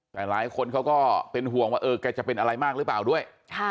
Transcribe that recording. แต่หลายคนเขาก็เป็นห่วงว่าเออแกจะเป็นอะไรมากหรือเปล่าด้วย